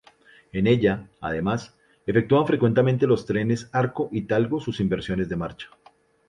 En ella, además, efectúan frecuentemente los trenes Arco y Talgo sus inversiones de marcha.